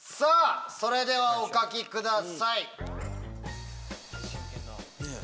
それではお描きください。